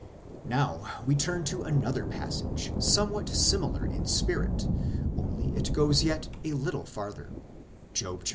Now we turn to another passage, somewhat similar in spirit, only it goes yet a little farther : Job xiv.